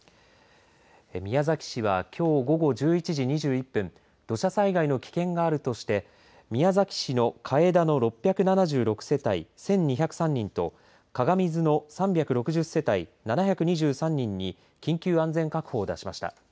宮崎市はきょう午後１１時２１分土砂災害の危険があるとして宮崎市のかえだの６７６世帯１２０３人とかがみずも３６０世帯７２３人に緊急安全確保を出しました。